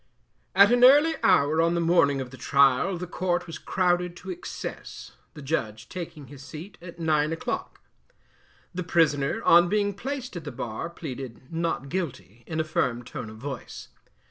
At an early hour on the morning of the trial, the court was crowded to excess, the Judge taking his seat at nine o'clock. The Prisoner, on being placed at the bar, pleaded 'Not Guilty' in a firm tone of voice.